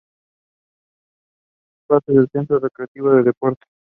Es parte del Centro Recreativo de deportes.